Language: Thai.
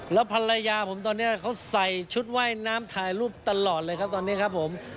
แล้วภรรยาผมตอนนี้เขาใส่ชุดว่ายน้ำถ่ายรูปตลอดเลยครับตอนนี้ครับผม